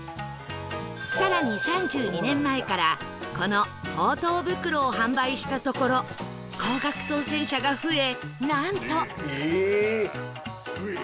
更に３２年前からこの宝当袋を販売したところ高額当せん者が増えなんと